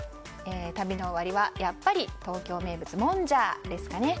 旅の終わりはやっぱり東京名物、もんじゃですかね。